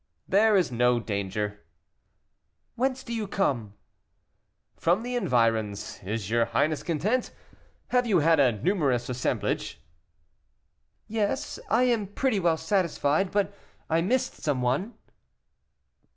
"There is no danger." "Whence do you come?" "From the environs. Is your highness content? have you had a numerous assemblage?" "Yes, I am pretty well satisfied, but I missed some one."